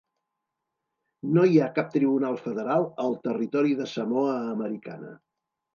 No hi ha cap tribunal federal al territori de Samoa americana.